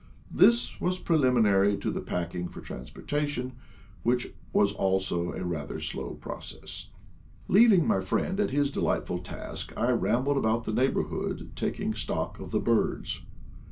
This was preliminary to the packing for transportation, which was also a rather slow process. Leaving my friend at his delightful task I ram bled about the neighborhood taking stock of the birds.